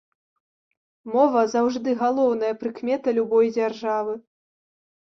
Мова заўжды галоўная прыкмета любой дзяржавы.